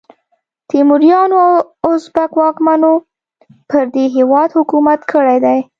تیموریانو او ازبک واکمنو پر دې هیواد حکومت کړی دی.